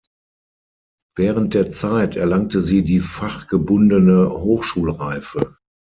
Während der Zeit erlangte sie die fachgebundene Hochschulreife.